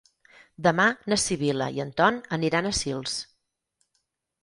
Demà na Sibil·la i en Ton aniran a Sils.